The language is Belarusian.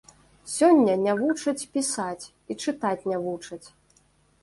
Сёння не вучаць пісаць, і чытаць не вучаць.